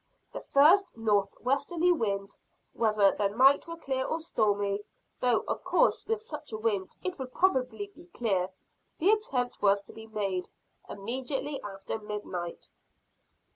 The first north westerly wind, whether the night were clear or stormy though of course with such a wind it would probably be clear the attempt was to be made, immediately after midnight.